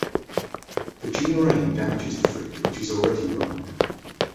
The June rain damages the fruit, which is already ripe.